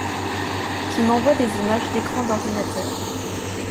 Qui m'envoie des images d'écrans d'ordinateur.